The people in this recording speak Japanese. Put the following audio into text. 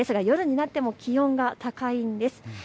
夜になっても気温が高いんです。